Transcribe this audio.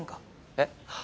えっ？